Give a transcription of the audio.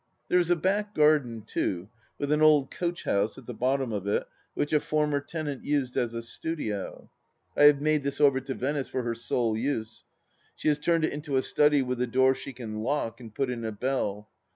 ... There is a back garden, too, with an old coachhouse at the bottom of it which a former tenant used as a studio. I have made this over to Venice for her sole use. She has turned it into a study with a door she can lock and put in a bell.